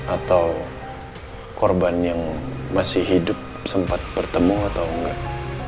atau korban yang masih hidup sempat bertemu atau enggak